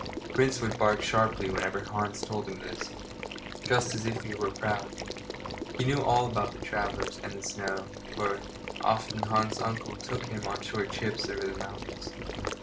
Prince would bark sharply whenever Hans told him this, just as if he were proud. He knew all about travellers, and snow, for, often, Hans's uncle took him on short trips over the mountains.